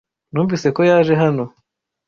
Numvise ko yaje hano